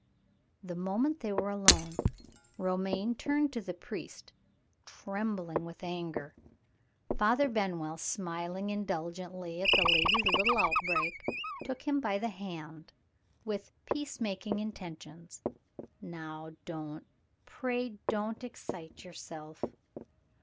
The moment they were alone, Romayne turned to the priest, trembling with anger. Father Benwell, smiling indulgently at the lady's little outbreak, took him by the hand, with peace making intentions, "Now don't pray don't excite yourself!"